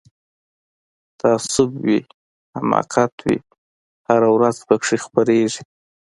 تعصب وي حماقت وي هره ورځ پکښی خپریږي